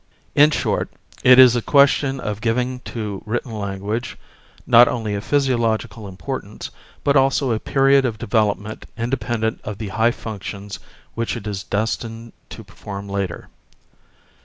In short, it is a question of giving to written language not only a physiological importance, but also a period of development independent of the high functions which it is destined to perform later.